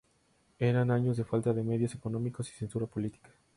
Eran años de falta de medios económicos y censura política.